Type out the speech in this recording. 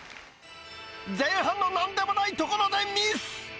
前半のなんでもないところでミス。